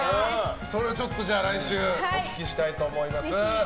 来週お聞きしたいと思います。